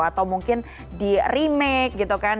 atau mungkin di remake gitu kan